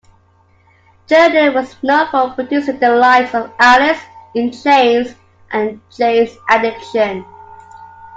Jerden was known for producing the likes of Alice in Chains and Jane's Addiction.